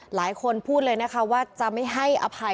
หลายคนพูดเลยนะคะว่าจะไม่ให้อรพินมาทำร้าย